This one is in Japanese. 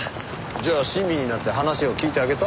じゃあ親身になって話を聞いてあげた？